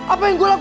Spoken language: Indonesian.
apa yang elok